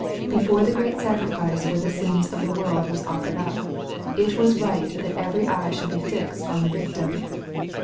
Before the great sacrifice for the sins of the world was off'ered up, it was right that every eye should be fixed on the victim.